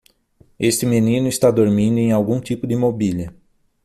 Este menino está dormindo em algum tipo de mobília.